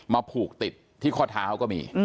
ผูกติดที่ข้อเท้าก็มี